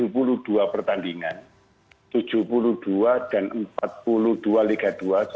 satu ratus dua puluh delapan pertandingan ada